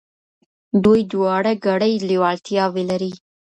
دوی دواړه ګډي لېوالتياوي لري.